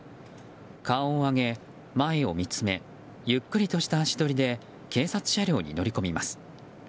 顔を上げ、前を見つめゆっくりとした足取りで警察車両に乗り込みます。